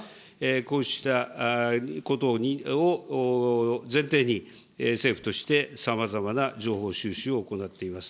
こうしたことを前提に、政府として、さまざまな情報収集を行っています。